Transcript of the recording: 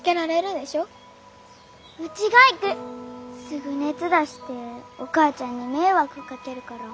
すぐ熱出してお母ちゃんに迷惑かけるから。